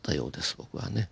僕はね。